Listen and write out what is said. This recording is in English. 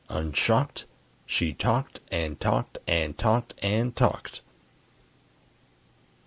Unshocked, She talked and talked and talked and talked!